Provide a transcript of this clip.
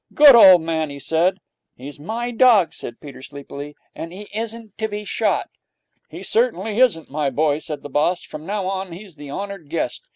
'Good old man!' he said. 'He's my dog,' said Peter sleepily, 'and he isn't to be shot.' 'He certainly isn't, my boy,' said the boss. 'From now on he's the honoured guest.